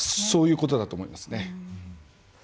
そういうことだと思いますね。